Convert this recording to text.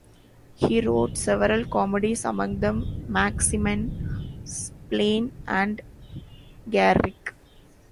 He wrote several comedies, among them "Maximen," "Spleen," and "Garrick.